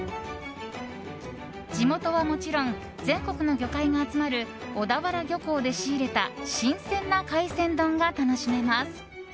地元はもちろん全国の魚介が集まる小田原漁港で仕入れた新鮮な海鮮丼が楽しめます。